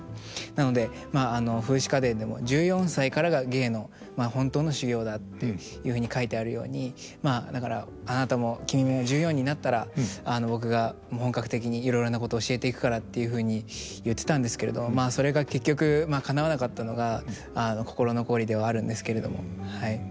なので「『風姿花伝』でも１４歳からが芸の本当の修行だっていうふうに書いてあるようにまあだからあなたも君も１４になったら僕が本格的にいろいろなこと教えていくから」っていうふうに言ってたんですけれどまあそれが結局かなわなかったのが心残りではあるんですけれども。